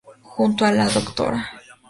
Junto a la Dra.